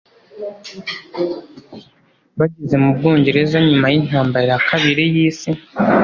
bageze mu Bwongereza nyuma y’intambara ya kabiri y’Isi